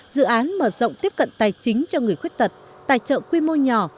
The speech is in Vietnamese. dự án mở rộng tiếp cận tài chính cho người khuyết tật tài trợ quy mô nhỏ